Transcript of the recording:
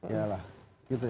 yalah gitu ya